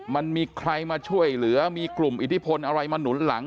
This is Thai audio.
มันมีใครมาช่วยเหลือมีกลุ่มอิทธิพลอะไรมาหนุนหลัง